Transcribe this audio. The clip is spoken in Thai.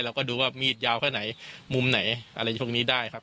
เราก็ดูว่ามีดยาวแค่ไหนมุมไหนอะไรพวกนี้ได้ครับ